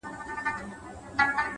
خاموش کار تر څرګندو خبرو ژور اغېز لري,